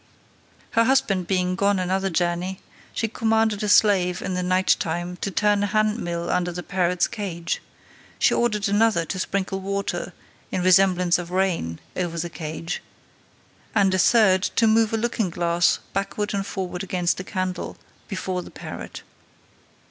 Her husband being gone another journey, she commanded a slave in the night time to turn a hand mill under the parrot's cage; she ordered another to sprinkle water, in resemblance of rain, over the cage; and a third to move a looking glass, backward and forward against a candle, before the parrot.